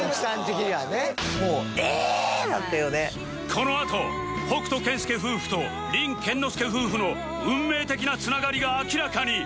このあと北斗健介夫婦と凛健之介夫婦の運命的な繋がりが明らかに